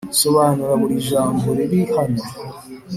sobanura buri jambo riri hano